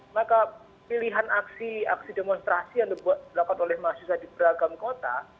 maka pilihan aksi aksi demonstrasi yang dilakukan oleh mahasiswa di beragam kota